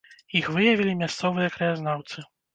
Іх выявілі мясцовыя краязнаўцы.